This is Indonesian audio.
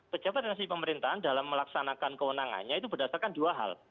pejabat dari pemerintahan dalam melaksanakan kewenangannya itu berdasarkan dua hal